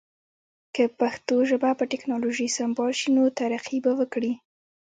که پښتو ژبه په ټکنالوژی سمبال شی نو ترقی به وکړی